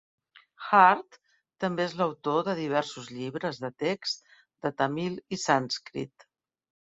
Hart també és l'autor de diversos llibres de text de Tamil i Sanskrit.